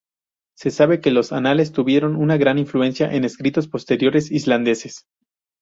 Se sabe que los anales tuvieron una gran influencia en escritos posteriores islandeses.